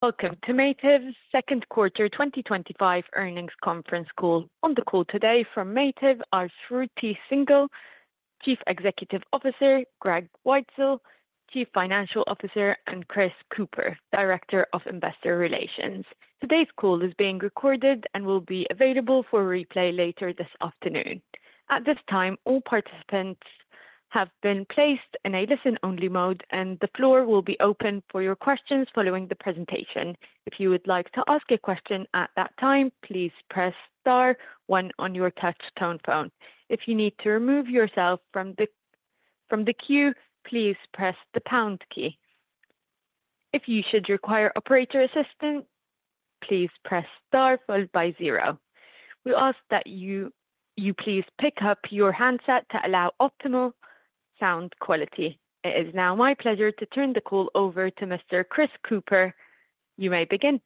Welcome to Mativ's Second Quarter 2025 Earnings Conference Call. On the call today from Mativ are Shruti Singhal, Chief Executive Officer, Greg Weitzel, Chief Financial Officer, and Chris Kuepper, Director of Investor Relations. Today's call is being recorded and will be available for replay later this afternoon. At this time, all participants have been placed in a listen-only mode, and the floor will be open for your questions following the presentation. If you would like to ask a question at that time, please press star one on your touch-tone phone. If you need to remove yourself from the queue, please press the pound key. If you should require operator assistance, please press star followed by zero. We ask that you please pick up your handset to allow optimal sound quality. It is now my pleasure to turn the call over to Mr. Chris Kuepper. You may begin.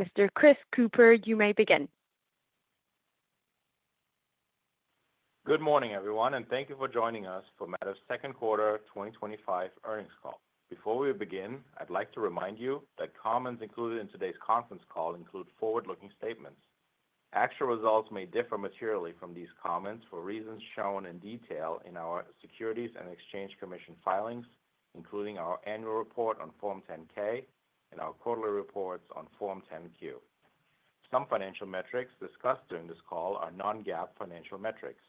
Mr. Chris Kuepper, you may begin. Good morning, everyone, and thank you for joining us for Mativ's Second Quarter 2025 Earnings Call. Before we begin, I'd like to remind you that comments included in today's conference call include forward-looking statements. Actual results may differ materially from these comments for reasons shown in detail in our Securities and Exchange Commission filings, including our annual report on Form 10-K and our quarterly reports on Form 10-Q. Some financial metrics discussed during this call are non-GAAP financial metrics.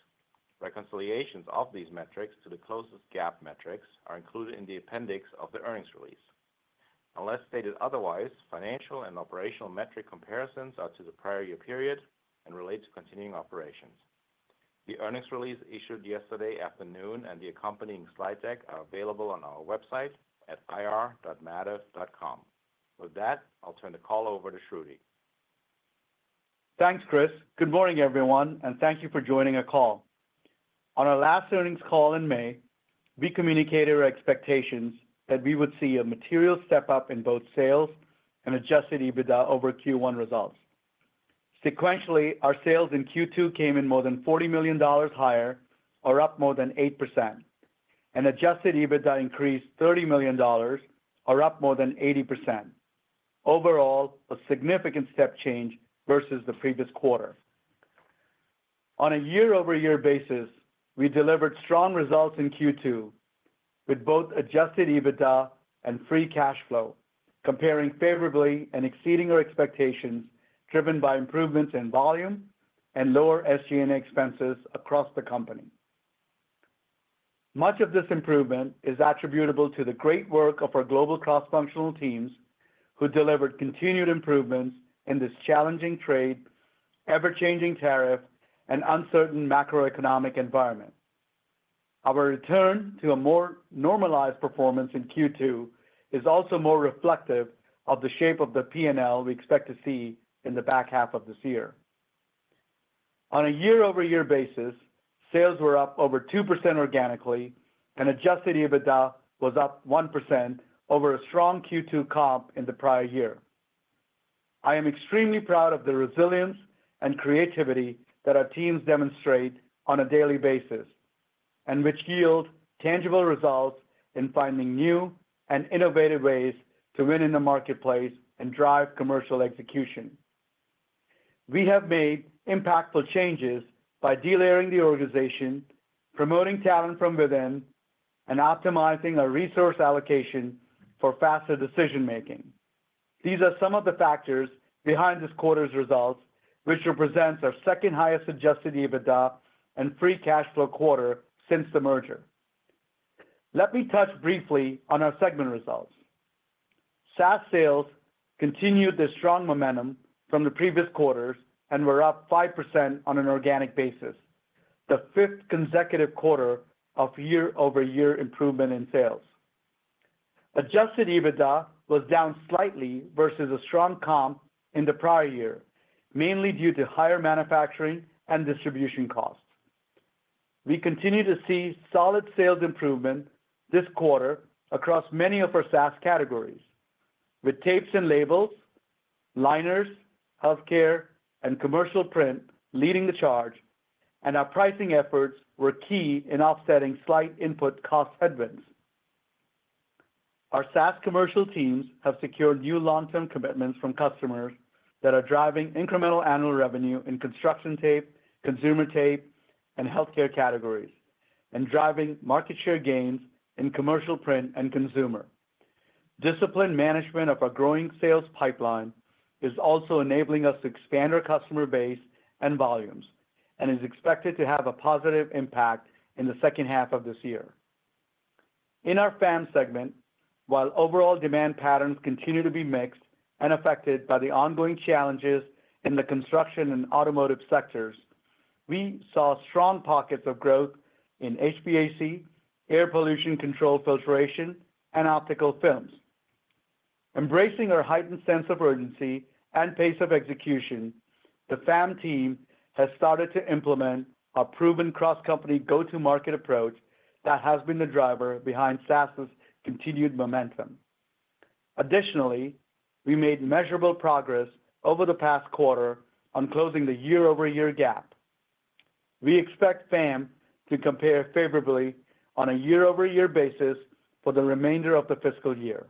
Reconciliations of these metrics to the closest GAAP metrics are included in the appendix of the earnings release. Unless stated otherwise, financial and operational metric comparisons are to the prior year period and relate to continuing operations. The earnings release issued yesterday afternoon and the accompanying slide deck are available on our website at ir.mativ.com. With that, I'll turn the call over to Shruti. Thanks, Chris. Good morning, everyone, and thank you for joining a call. On our last earnings call in May, we communicated our expectations that we would see a material step up in both sales and adjusted EBITDA over Q1 results. Sequentially, our sales in Q2 came in more than $40 million higher, or up more than 8%, and adjusted EBITDA increased $30 million, or up more than 80%. Overall, a significant step change versus the previous quarter. On a year-over-year basis, we delivered strong results in Q2 with both adjusted EBITDA and free cash flow, comparing favorably and exceeding our expectations, driven by improvements in volume and lower SG&A expenses across the company. Much of this improvement is attributable to the great work of our global cross-functional teams, who delivered continued improvements in this challenging trade, ever-changing tariff, and uncertain macroeconomic environment. Our return to a more normalized performance in Q2 is also more reflective of the shape of the P&L we expect to see in the back half of this year. On a year-over-year basis, sales were up over 2% organically, and adjusted EBITDA was up 1% over a strong Q2 comp in the prior year. I am extremely proud of the resilience and creativity that our teams demonstrate on a daily basis, and which yield tangible results in finding new and innovative ways to win in the marketplace and drive commercial execution. We have made impactful changes by delayering the organization, promoting talent from within, and optimizing our resource allocation for faster decision-making. These are some of the factors behind this quarter's results, which represent our second-highest adjusted EBITDA and free cash flow quarter since the merger. Let me touch briefly on our segment results. SAS sales continued their strong momentum from the previous quarters and were up 5% on an organic basis, the fifth consecutive quarter of year-over-year improvement in sales. Adjusted EBITDA was down slightly versus a strong comp in the prior year, mainly due to higher manufacturing and distribution costs. We continue to see solid sales improvement this quarter across many of our SAS categories, with tapes and labels, liners, healthcare, and commercial print leading the charge, and our pricing efforts were key in offsetting slight input cost headwinds. Our SAS commercial teams have secured new long-term commitments from customers that are driving incremental annual revenue in construction tape, consumer tape, and healthcare categories, and driving market share gains in commercial print and consumer. Disciplined management of our growing sales pipeline is also enabling us to expand our customer base and volumes, and is expected to have a positive impact in the second half of this year. In our FAM segment, while overall demand patterns continue to be mixed and affected by the ongoing challenges in the construction and automotive sectors, we saw strong pockets of growth in HVAC, air pollution control filtration, and optical films. Embracing our heightened sense of urgency and pace of execution, the FAM team has started to implement a proven cross-company go-to-market approach that has been the driver behind SAS's continued momentum. Additionally, we made measurable progress over the past quarter on closing the year-over-year gap. We expect FAM to compare favorably on a year-over-year basis for the remainder of the fiscal year.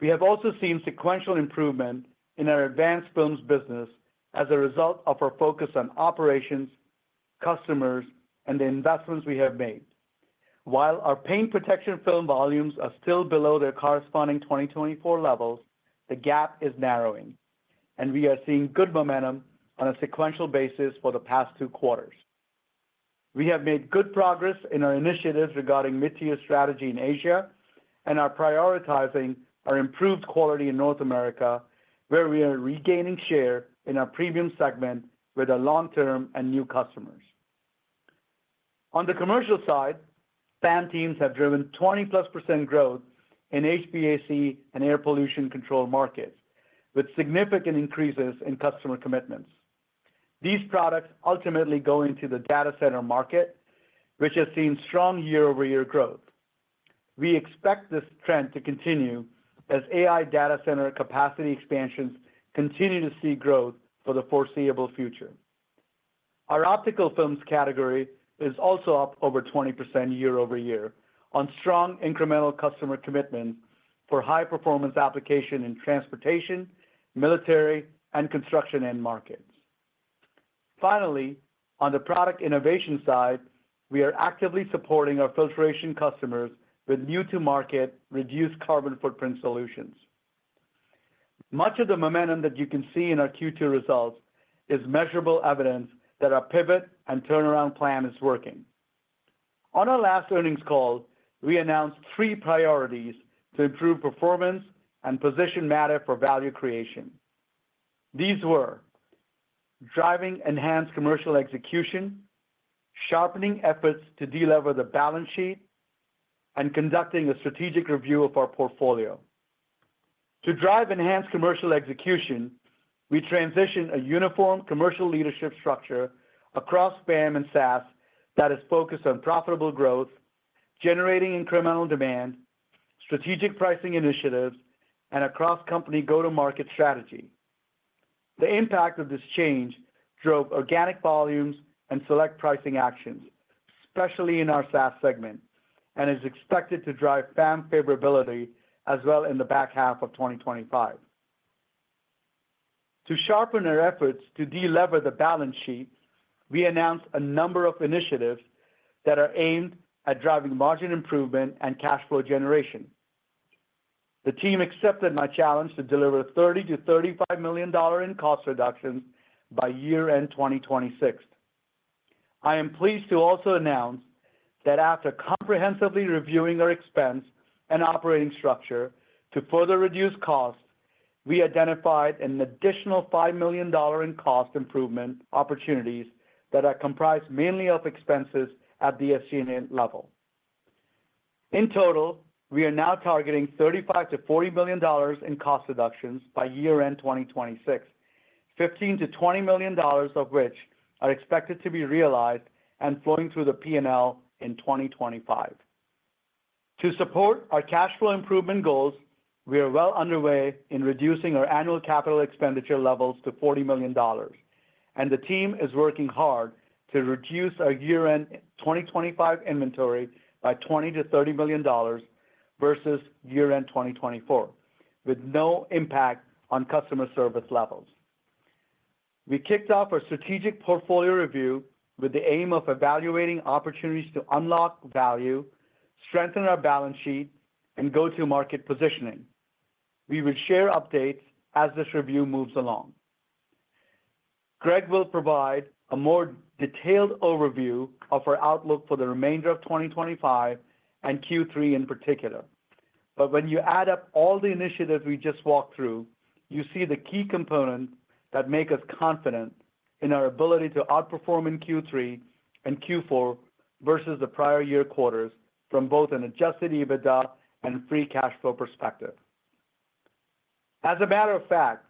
We have also seen sequential improvement in our advanced films business as a result of our focus on operations, customers, and the investments we have made. While our paint protection film volumes are still below their corresponding 2024 levels, the gap is narrowing, and we are seeing good momentum on a sequential basis for the past two quarters. We have made good progress in our initiatives regarding mid-tier strategy in Asia, and are prioritizing our improved quality in North America, where we are regaining share in our premium segment with our long-term and new customers. On the commercial side, FAM teams have driven 20%+ growth in HVAC and air pollution control markets, with significant increases in customer commitments. These products ultimately go into the data center market, which has seen strong year-over-year growth. We expect this trend to continue as AI data center capacity expansions continue to see growth for the foreseeable future. Our optical films category is also up over 20% year-over-year on strong incremental customer commitment for high-performance application in transportation, military, and construction end markets. Finally, on the product innovation side, we are actively supporting our filtration customers with new-to-market reduced carbon footprint solutions. Much of the momentum that you can see in our Q2 results is measurable evidence that our pivot and turnaround plan is working. On our last earnings call, we announced three priorities to improve performance and position Mativ for value creation. These were driving enhanced commercial execution, sharpening efforts to deliver the balance sheet, and conducting a strategic review of our portfolio. To drive enhanced commercial execution, we transitioned a uniform commercial leadership structure across FAM and SAS that is focused on profitable growth, generating incremental demand, strategic pricing initiatives, and a cross-company go-to-market strategy. The impact of this change drove organic volumes and select pricing actions, especially in our SAS segment, and is expected to drive FAM favorability as well in the back half of 2025. To sharpen our efforts to deliver the balance sheet, we announced a number of initiatives that are aimed at driving margin improvement and cash flow generation. The team accepted my challenge to deliver $30 million-$35 million in cost reductions by year-end 2026. I am pleased to also announce that after comprehensively reviewing our expense and operating structure to further reduce costs, we identified an additional $5 million in cost improvement opportunities that are comprised mainly of expenses at the SG&A level. In total, we are now targeting $35 million-$40 million in cost reductions by year-end 2026, $15 million-$20 million of which are expected to be realized and flowing through the P&L in 2025. To support our cash flow improvement goals, we are well underway in reducing our annual capital expenditure levels to $40 million, and the team is working hard to reduce our year-end 2025 inventory by $20 million-$30 million versus year-end 2024, with no impact on customer service levels. We kicked off our strategic portfolio review with the aim of evaluating opportunities to unlock value, strengthen our balance sheet, and go-to-market positioning. We will share updates as this review moves along. Greg will provide a more detailed overview of our outlook for the remainder of 2025 and Q3 in particular. When you add up all the initiatives we just walked through, you see the key components that make us confident in our ability to outperform in Q3 and Q4 versus the prior year quarters from both an adjusted EBITDA and free cash flow perspective. As a matter of fact,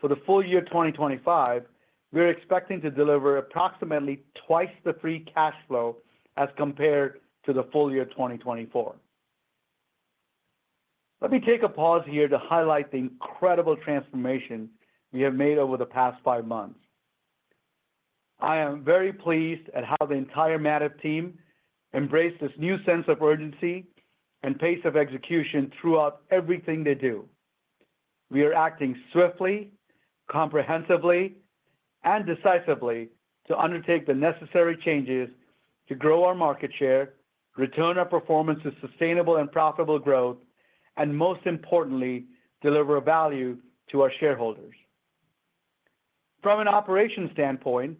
for the full year 2025, we are expecting to deliver approximately twice the free cash flow as compared to the full year 2024. Let me take a pause here to highlight the incredible transformation we have made over the past five months. I am very pleased at how the entire Mativ team embraced this new sense of urgency and pace of execution throughout everything they do. We are acting swiftly, comprehensively, and decisively to undertake the necessary changes to grow our market share, return our performance to sustainable and profitable growth, and most importantly, deliver value to our shareholders. From an operations standpoint,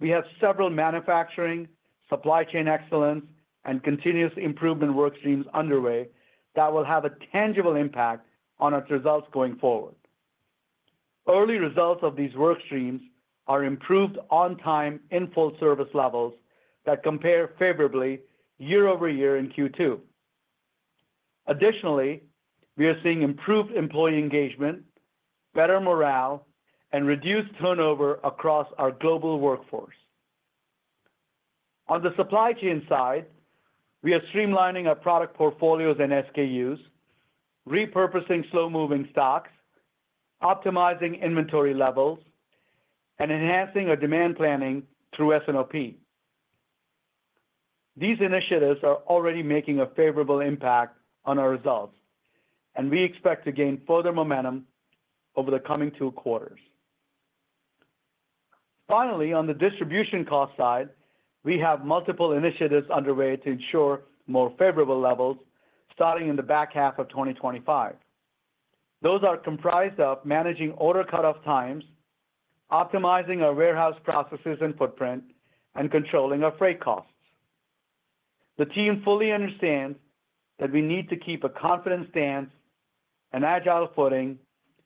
we have several manufacturing, supply chain excellence, and continuous improvement workstreams underway that will have a tangible impact on our results going forward. Early results of these workstreams are improved on-time in full-service levels that compare favorably year-over-year in Q2. Additionally, we are seeing improved employee engagement, better morale, and reduced turnover across our global workforce. On the supply chain side, we are streamlining our product portfolios and SKUs, repurposing slow-moving stocks, optimizing inventory levels, and enhancing our demand planning through S&OP. These initiatives are already making a favorable impact on our results, and we expect to gain further momentum over the coming two quarters. Finally, on the distribution cost side, we have multiple initiatives underway to ensure more favorable levels, starting in the back half of 2025. Those are comprised of managing order cutoff times, optimizing our warehouse processes and footprint, and controlling our freight costs. The team fully understands that we need to keep a confident stance, an agile footing,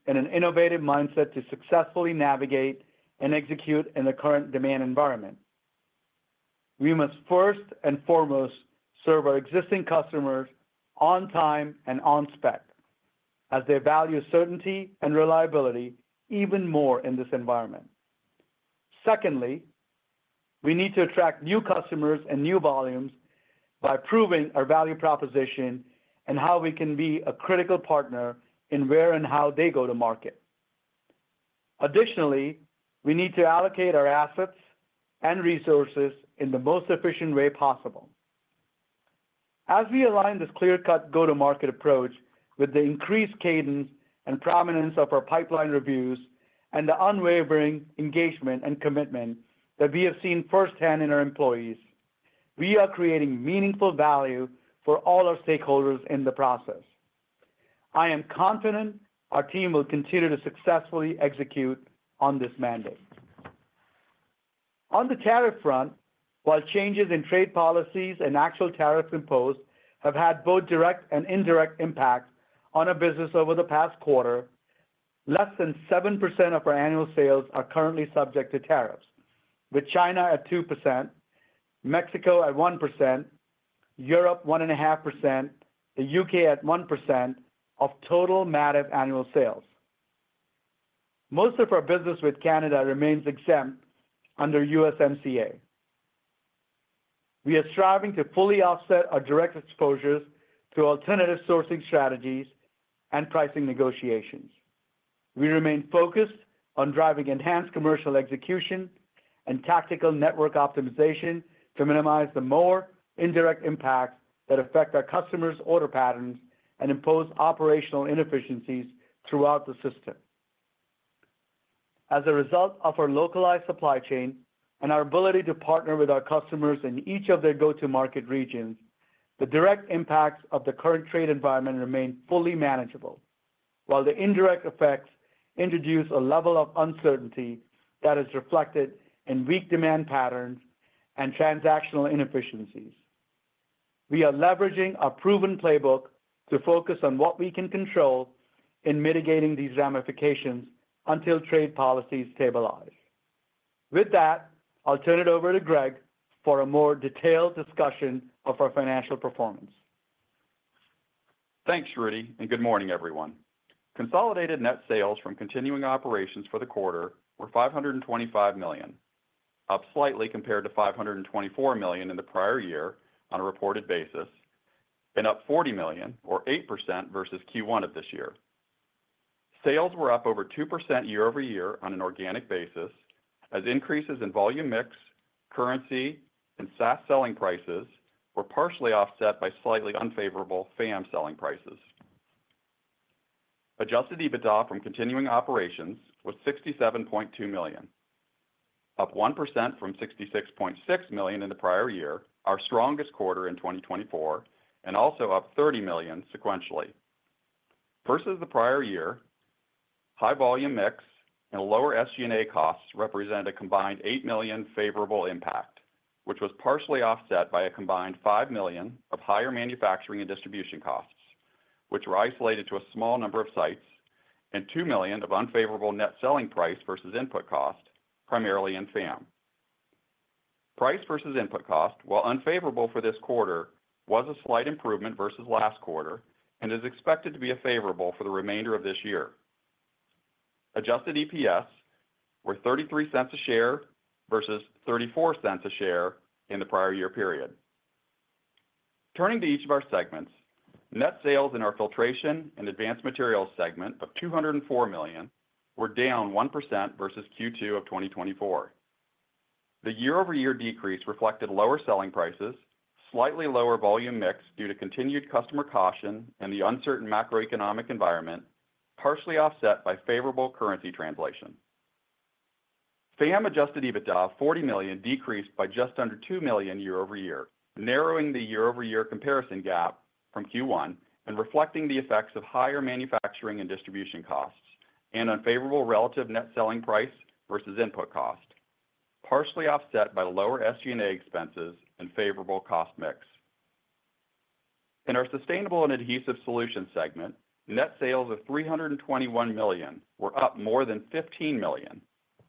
and an innovative mindset to successfully navigate and execute in the current demand environment. We must first and foremost serve our existing customers on time and on spec, as they value certainty and reliability even more in this environment. Secondly, we need to attract new customers and new volumes by proving our value proposition and how we can be a critical partner in where and how they go to market. Additionally, we need to allocate our assets and resources in the most efficient way possible. As we align this clear-cut go-to-market approach with the increased cadence and prominence of our pipeline reviews and the unwavering engagement and commitment that we have seen firsthand in our employees, we are creating meaningful value for all our stakeholders in the process. I am confident our team will continue to successfully execute on this mandate. On the tariff front, while changes in trade policies and actual tariffs imposed have had both direct and indirect impacts on our business over the past quarter, less than 7% of our annual sales are currently subject to tariffs, with China at 2%, Mexico at 1%, Europe 1.5%, and the U.K. at 1% of total Mativ annual sales. Most of our business with Canada remains exempt under USMCA. We are striving to fully offset our direct exposures through alternative sourcing strategies and pricing negotiations. We remain focused on driving enhanced commercial execution and tactical network optimization to minimize the more indirect impacts that affect our customers' order patterns and impose operational inefficiencies throughout the system. As a result of our localized supply chain and our ability to partner with our customers in each of their go-to-market regions, the direct impacts of the current trade environment remain fully manageable, while the indirect effects introduce a level of uncertainty that is reflected in weak demand patterns and transactional inefficiencies. We are leveraging a proven playbook to focus on what we can control in mitigating these ramifications until trade policies stabilize. With that, I'll turn it over to Greg for a more detailed discussion of our financial performance. Thanks, Shruti, and good morning, everyone. Consolidated net sales from continuing operations for the quarter were $525 million, up slightly compared to $524 million in the prior year on a reported basis, and up $40 million, or 8% versus Q1 of this year. Sales were up over 2% year-over-year on an organic basis, as increases in volume mix, currency, and SAS selling prices were partially offset by slightly unfavorable FAM selling prices. Adjusted EBITDA from continuing operations was $67.2 million, up 1% from $66.6 million in the prior year, our strongest quarter in 2024, and also up $30 million sequentially. Versus the prior year, high volume mix and lower SG&A costs represent a combined $8 million favorable impact, which was partially offset by a combined $5 million of higher manufacturing and distribution costs, which were isolated to a small number of sites, and $2 million of unfavorable net selling price versus input cost, primarily in FAM. Price versus input cost, while unfavorable for this quarter, was a slight improvement versus last quarter and is expected to be favorable for the remainder of this year. Adjusted EPS were $0.33 a share versus $0.34 a share in the prior year period. Turning to each of our segments, net sales in our Filtration & Advanced Materials segment of $204 million were down 1% versus Q2 of 2024. The year-over-year decrease reflected lower selling prices, slightly lower volume mix due to continued customer caution, and the uncertain macroeconomic environment, partially offset by favorable currency translation. FAM adjusted EBITDA of $40 million decreased by just under $2 million year-over-year, narrowing the year-over-year comparison gap from Q1 and reflecting the effects of higher manufacturing and distribution costs and unfavorable relative net selling price versus input cost, partially offset by lower SG&A expenses and favorable cost mix. In our Sustainable & Adhesive Solutions segment, net sales of $321 million were up more than $15 million,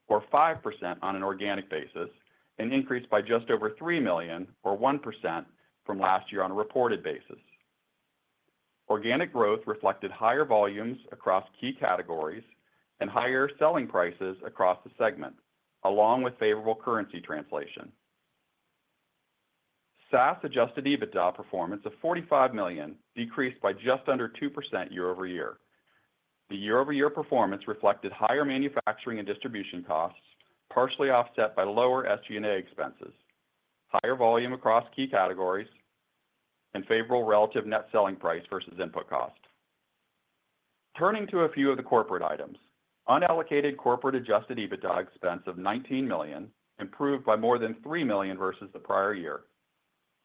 or 5% on an organic basis, and increased by just over $3 million, or 1% from last year on a reported basis. Organic growth reflected higher volumes across key categories and higher selling prices across the segment, along with favorable currency translation. SAS adjusted EBITDA performance of $45 million decreased by just under 2% year-over-year. The year-over-year performance reflected higher manufacturing and distribution costs, partially offset by lower SG&A expenses, higher volume across key categories, and favorable relative net selling price versus input cost. Turning to a few of the corporate items, unallocated corporate adjusted EBITDA expense of $19 million improved by more than $3 million versus the prior year,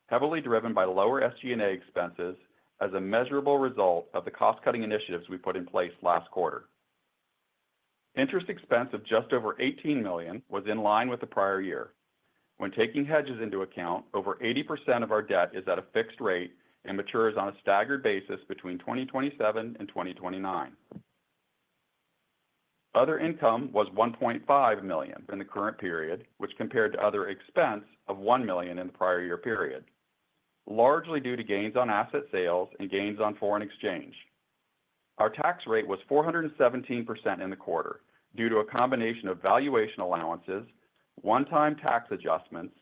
heavily driven by lower SG&A expenses as a measurable result of the cost-cutting initiatives we put in place last quarter. Interest expense of just over $18 million was in line with the prior year. When taking hedges into account, over 80% of our debt is at a fixed rate and matures on a staggered basis between 2027 and 2029. Other income was $1.5 million in the current period, which compared to other expense of $1 million in the prior year period, largely due to gains on asset sales and gains on foreign exchange. Our tax rate was 417% in the quarter due to a combination of valuation allowances, one-time tax adjustments,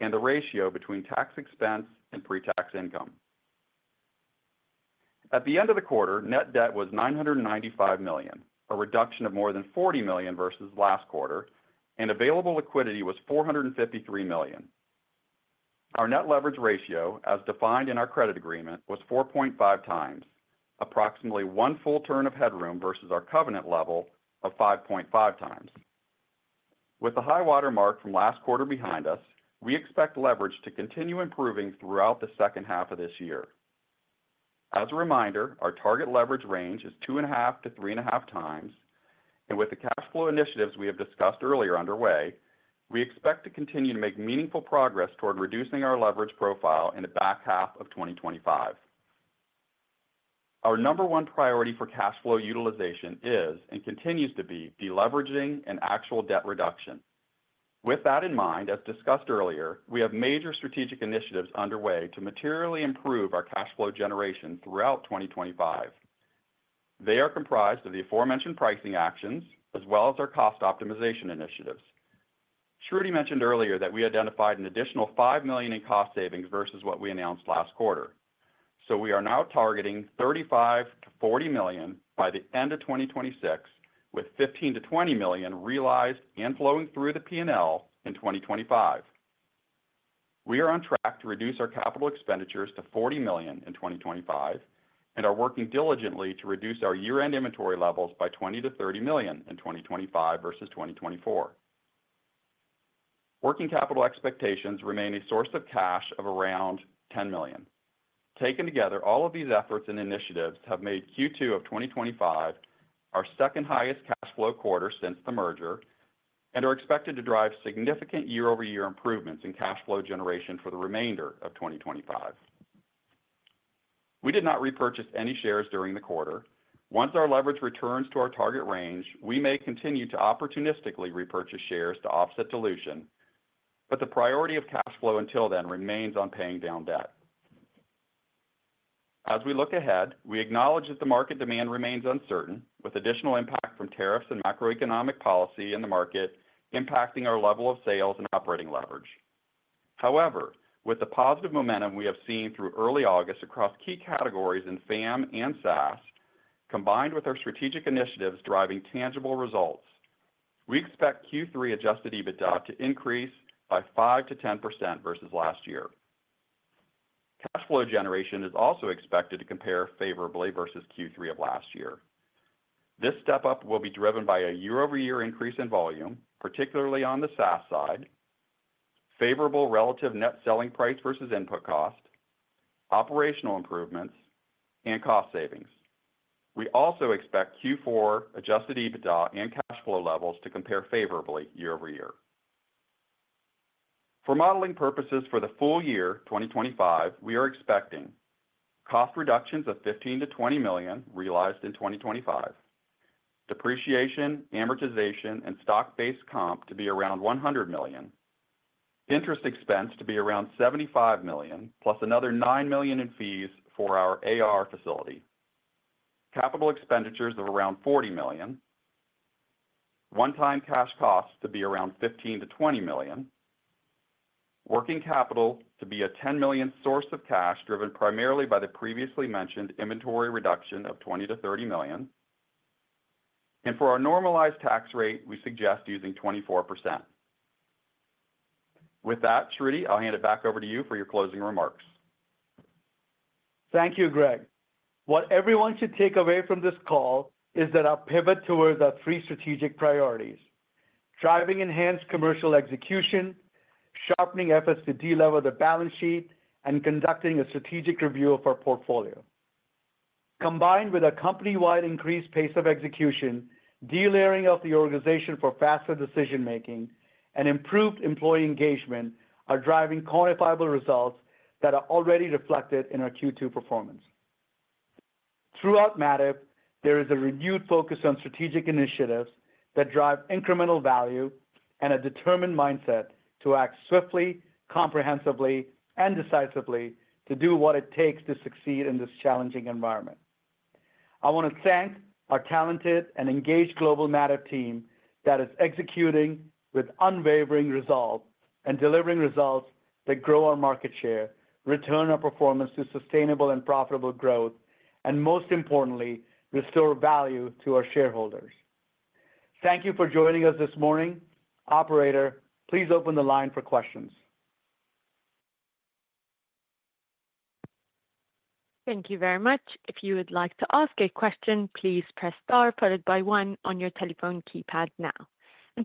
and the ratio between tax expense and pre-tax income. At the end of the quarter, net debt was $995 million, a reduction of more than $40 million versus last quarter, and available liquidity was $453 million. Our net leverage ratio, as defined in our credit agreement, was 4.5x, approximately one full turn of headroom versus our covenant level of 5.5x. With the high watermark from last quarter behind us, we expect leverage to continue improving throughout the second half of this year. As a reminder, our target leverage range is 2.5x-3.5x, and with the cash flow initiatives we have discussed earlier underway, we expect to continue to make meaningful progress toward reducing our leverage profile in the back half of 2025. Our number one priority for cash flow utilization is and continues to be deleveraging and actual debt reduction. With that in mind, as discussed earlier, we have major strategic initiatives underway to materially improve our cash flow generation throughout 2025. They are comprised of the aforementioned pricing actions, as well as our cost optimization initiatives. Shruti mentioned earlier that we identified an additional $5 million in cost savings versus what we announced last quarter. We are now targeting $35 million-$40 million by the end of 2026, with $15 million-$20 million realized and flowing through the P&L in 2025. We are on track to reduce our capital expenditures to $40 million in 2025 and are working diligently to reduce our year-end inventory levels by $20 million-$30 million in 2025 versus 2024. Working capital expectations remain a source of cash of around $10 million. Taken together, all of these efforts and initiatives have made Q2 of 2025 our second-highest cash flow quarter since the merger and are expected to drive significant year-over-year improvements in cash flow generation for the remainder of 2025. We did not repurchase any shares during the quarter. Once our leverage returns to our target range, we may continue to opportunistically repurchase shares to offset dilution, but the priority of cash flow until then remains on paying down debt. As we look ahead, we acknowledge that the market demand remains uncertain, with additional impact from tariffs and macroeconomic policy in the market impacting our level of sales and operating leverage. However, with the positive momentum we have seen through early August across key categories in FAM and SAS, combined with our strategic initiatives driving tangible results, we expect Q3 adjusted EBITDA to increase by 5%-10% versus last year. Cash flow generation is also expected to compare favorably versus Q3 of last year. This step up will be driven by a year-over-year increase in volume, particularly on the SAS side, favorable relative net selling price versus input cost, operational improvements, and cost savings. We also expect Q4 adjusted EBITDA and cash flow levels to compare favorably year-over-year. For modeling purposes for the full year 2025, we are expecting cost reductions of $15 million-$20 million realized in 2025, depreciation, amortization, and stock-based comp to be around $100 million, interest expense to be around $75 million, plus another $9 million in fees for our AR facility, capital expenditures of around $40 million, one-time cash costs to be around $15 million-$20 million, working capital to be a $10 million source of cash driven primarily by the previously mentioned inventory reduction of $20 million-$30 million, and for our normalized tax rate, we suggest using 24%. With that, Shruti, I'll hand it back over to you for your closing remarks. Thank you, Greg. What everyone should take away from this call is that our pivot towards our three strategic priorities: driving enhanced commercial execution, sharpening efforts to deliver the balance sheet, and conducting a strategic review of our portfolio, combined with a company-wide increased pace of execution, delayering of the organization for faster decision-making, and improved employee engagement, are driving quantifiable results that are already reflected in our Q2 performance. Throughout Mativ, there is a renewed focus on strategic initiatives that drive incremental value and a determined mindset to act swiftly, comprehensively, and decisively to do what it takes to succeed in this challenging environment. I want to thank our talented and engaged global Mativ. team that is executing with unwavering resolve and delivering results that grow our market share, return our performance to sustainable and profitable growth, and most importantly, restore value to our shareholders. Thank you for joining us this morning. Operator, please open the line for questions. Thank you very much. If you would like to ask a question, please press star followed by one on your telephone keypad now.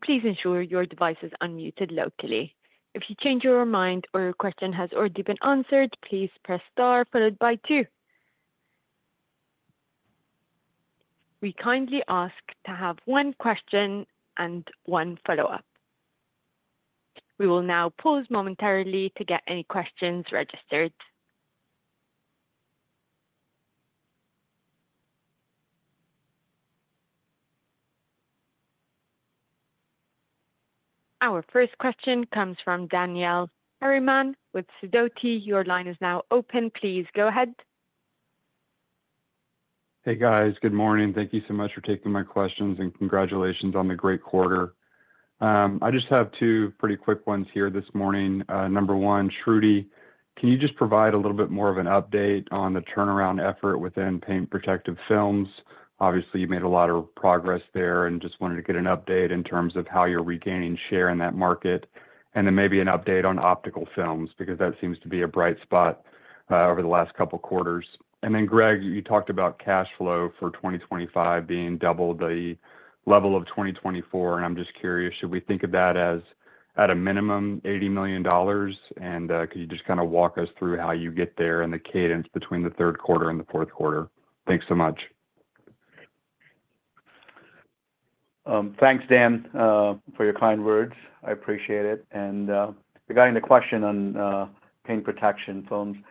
Please ensure your device is unmuted locally. If you change your mind or your question has already been answered, please press star followed by two. We kindly ask to have one question and one follow-up. We will now pause momentarily to get any questions registered. Our first question comes from Daniel Harriman with Sidoti. Your line is now open. Please go ahead. Hey, guys. Good morning. Thank you so much for taking my questions and congratulations on the great quarter. I just have two pretty quick ones here this morning. Number one, Shruti, can you just provide a little bit more of an update on the turnaround effort within paint protection film? Obviously, you made a lot of progress there and just wanted to get an update in terms of how you're regaining share in that market. Maybe an update on optical films because that seems to be a bright spot over the last couple of quarters. Greg, you talked about cash flow for 2025 being double the level of 2024. I'm just curious, should we think of that as at a minimum $80 million? Could you just kind of walk us through how you get there in the cadence between the third quarter and the fourth quarter? Thanks so much. Thanks, Dan, for your kind words. I appreciate it. Regarding the question on paint protection film,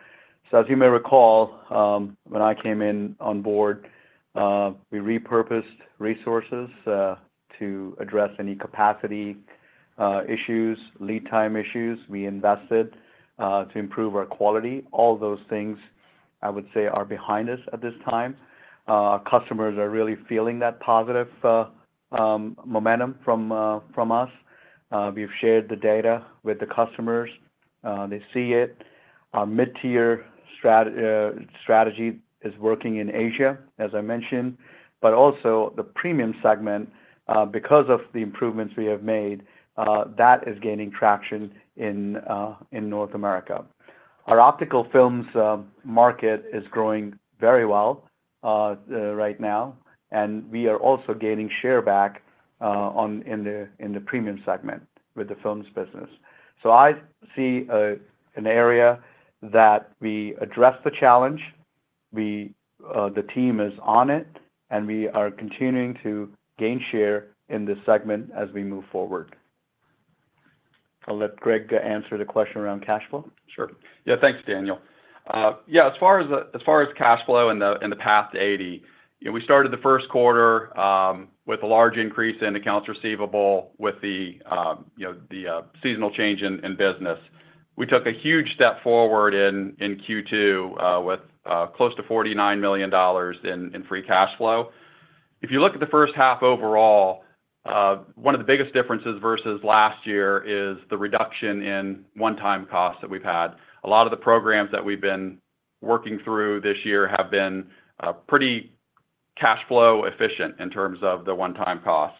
as you may recall, when I came on board, we repurposed resources to address any capacity issues and lead time issues. We invested to improve our quality. All those things, I would say, are behind us at this time. Our customers are really feeling that positive momentum from us. We've shared the data with the customers. They see it. Our mid-tier strategy is working in Asia, as I mentioned, but also the premium segment, because of the improvements we have made, is gaining traction in North America. Our optical films market is growing very well right now, and we are also gaining share back in the premium segment with the films business. I see an area that we addressed the challenge, the team is on it, and we are continuing to gain share in this segment as we move forward. I'll let Greg answer the question around cash flow. Sure. Yeah, thanks, Daniel. As far as cash flow in the past, we started the first quarter with a large increase in accounts receivable with the seasonal change in business. We took a huge step forward in Q2 with close to $49 million in free cash flow. If you look at the first half overall, one of the biggest differences versus last year is the reduction in one-time costs that we've had. A lot of the programs that we've been working through this year have been pretty cash flow efficient in terms of the one-time costs.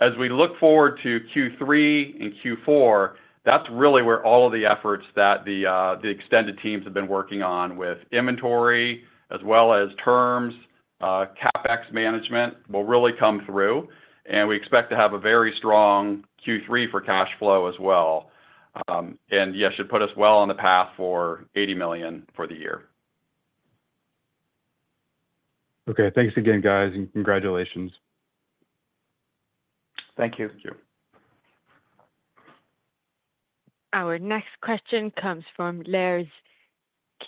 As we look forward to Q3 and Q4, that's really where all of the efforts that the extended teams have been working on with inventory, as well as terms, CapEx management will really come through. We expect to have a very strong Q3 for cash flow as well. It should put us well on the path for $80 million for the year. Okay, thanks again, guys, and congratulations. Thank you. Thank you. Our next question comes from Lars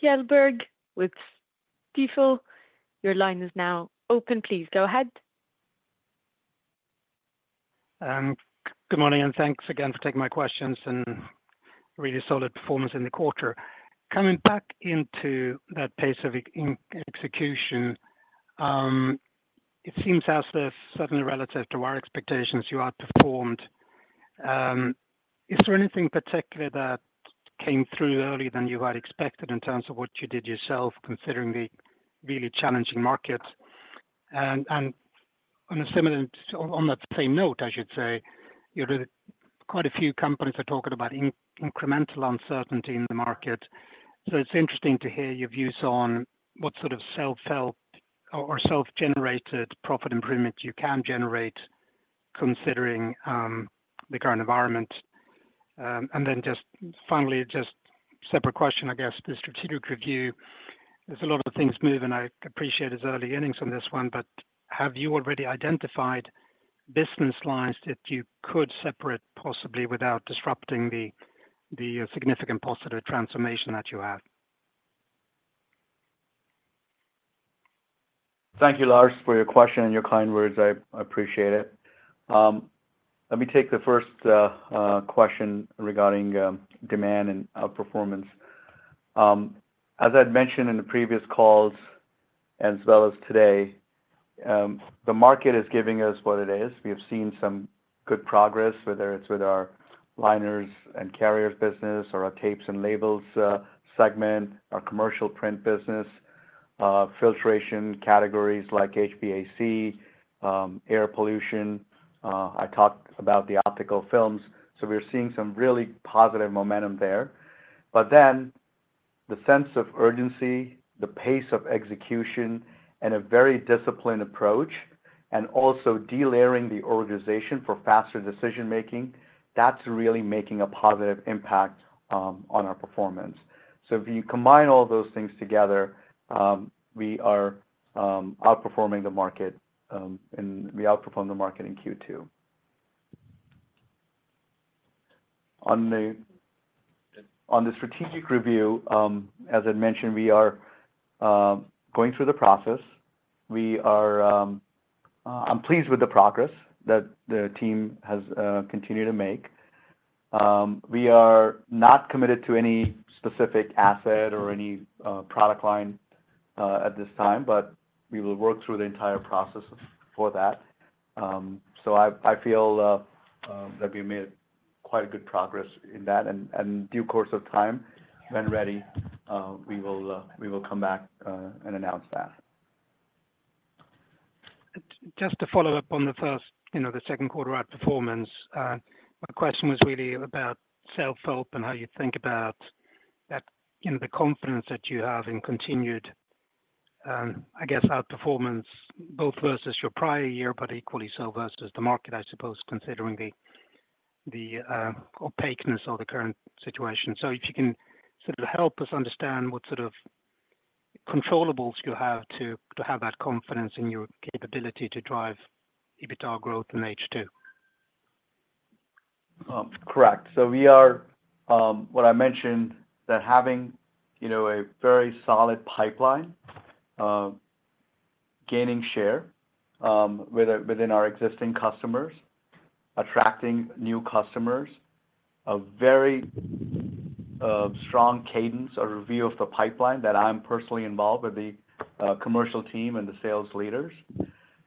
Kjellberg with Stifel. Your line is now open. Please go ahead. Good morning, and thanks again for taking my questions and really solid performance in the quarter. Coming back into that pace of execution, it seems as if, certainly relative to our expectations, you outperformed. Is there anything particular that came through earlier than you had expected in terms of what you did yourself, considering the really challenging market? On that same note, quite a few companies are talking about incremental uncertainty in the market. It's interesting to hear your views on what sort of self-help or self-generated profit improvement you can generate, considering the current environment. Finally, just a separate question, I guess, the strategic review. There's a lot of things moving, and I appreciate it's early earnings on this one, but have you already identified business lines that you could separate possibly without disrupting the significant positive transformation that you have? Thank you, Lars, for your question and your kind words. I appreciate it. Let me take the first question regarding demand and outperformance. As I'd mentioned in the previous calls, as well as today, the market is giving us what it is. We have seen some good progress, whether it's with our liners and carriers business or our tapes and labels segment, our commercial print business, filtration categories like HVAC, air pollution. I talked about the optical films. We are seeing some really positive momentum there. The sense of urgency, the pace of execution, and a very disciplined approach, and also delayering the organization for faster decision-making, are really making a positive impact on our performance. If you combine all those things together, we are outperforming the market, and we outperformed the market in Q2. On the strategic review, as I'd mentioned, we are going through the process. I'm pleased with the progress that the team has continued to make. We are not committed to any specific asset or any product line at this time, but we will work through the entire process for that. I feel that we made quite a good progress in that, and in due course of time, when ready, we will come back and announce that. Just to follow up on the first, the second quarter outperformance, the question was really about self-help and how you think about that, the confidence that you have in continued, I guess, outperformance, both versus your prior year, but equally so versus the market, I suppose, considering the opaqueness of the current situation. If you can sort of help us understand what sort of controllables you have to have that confidence in your capability to drive EBITDA growth in H2. Correct. We are, what I mentioned, having a very solid pipeline, gaining share within our existing customers, attracting new customers, a very strong cadence, a review of the pipeline that I'm personally involved with the commercial team and the sales leaders.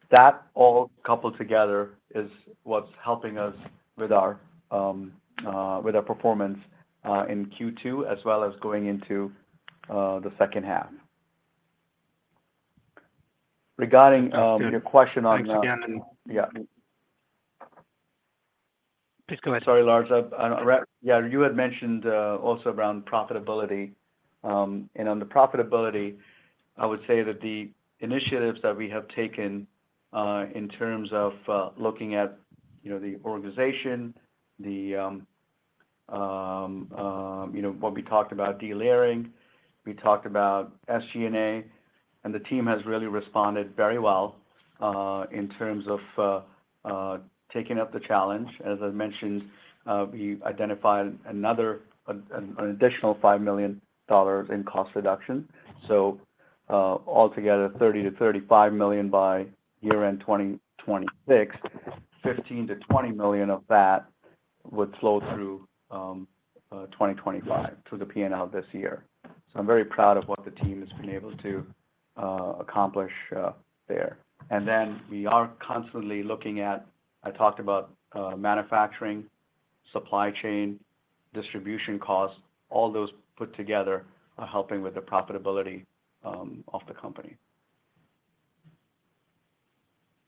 That all coupled together is what's helping us with our performance in Q2, as well as going into the second half. Regarding your question on. Thanks again. Yeah. Please go ahead. Sorry, Lars. Yeah, you had mentioned also around profitability. On the profitability, I would say that the initiatives that we have taken in terms of looking at, you know, the organization, what we talked about, delayering, we talked about SG&A, and the team has really responded very well in terms of taking up the challenge. As I mentioned, we identified another additional $5 million in cost reduction. Altogether, $30 million-$35 million by year-end 2026, $15 million-$20 million of that would flow through 2025, through the P&L this year. I'm very proud of what the team has been able to accomplish there. We are constantly looking at, I talked about manufacturing, supply chain, distribution costs, all those put together are helping with the profitability of the company.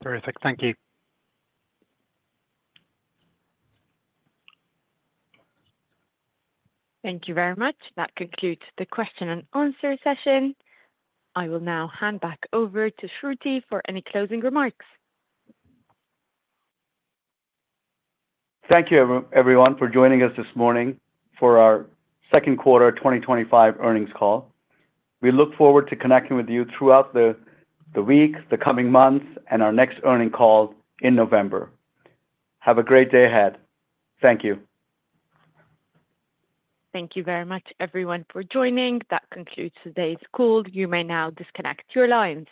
Terrific. Thank you. Thank you very much. That concludes the question and answer session. I will now hand back over to Shruti for any closing remarks. Thank you, everyone, for joining us this morning for our Second Quarter 2025 Earnings Call. We look forward to connecting with you throughout the weeks, the coming months, and our next earnings call in November. Have a great day ahead. Thank you. Thank you very much, everyone, for joining. That concludes today's call. You may now disconnect your lines.